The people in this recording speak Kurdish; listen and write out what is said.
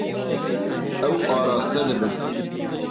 Ew araste dibin.